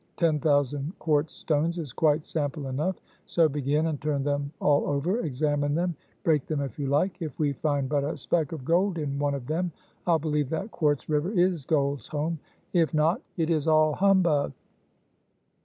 Ten thousand quartz stones is quite sample enough, so begin and turn them all over, examine them break them if you like. If we find but a speck of gold in one of them I'll believe that quartz river is gold's home if not, it is all humbug!"